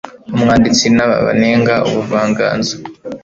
umwanditsi nabanenga ubuvanganzo